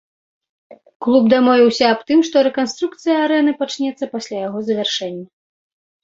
Клуб дамовіўся аб тым, што рэканструкцыя арэны пачнецца пасля яго завяршэння.